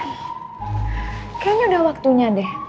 kayaknya udah waktunya deh